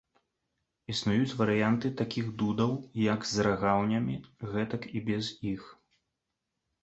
Існуюць варыянты такіх дудаў як з рагаўнямі, гэтак і без іх.